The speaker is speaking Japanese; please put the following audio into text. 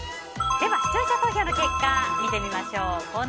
視聴者投票の結果を見てみましょう。